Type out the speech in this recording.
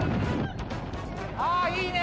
「ああいいね！